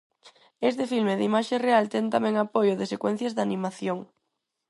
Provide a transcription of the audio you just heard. Este filme de imaxe real ten tamén apoio de secuencias de animación.